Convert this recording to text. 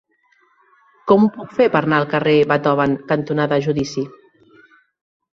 Com ho puc fer per anar al carrer Beethoven cantonada Judici?